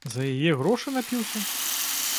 За яе грошы напіўся?